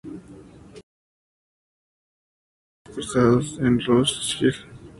Los otros exclaves eran dispersados en Ross-shire.